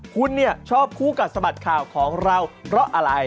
คุณชอบคู่กับสบัตรข่าวของเราเพราะอะไร